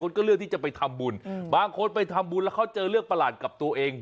ก็เลือกที่จะไปทำบุญบางคนไปทำบุญแล้วเขาเจอเรื่องประหลาดกับตัวเอง